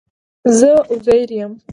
زه عزير يم